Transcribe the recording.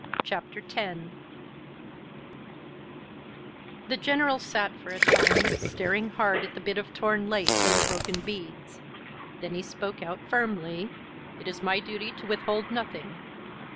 CHAPTER X The General sat for a time staring hard at the bit of torn lace and the broken beads. Then he spoke out firmly: "It is my duty to withhold nothing.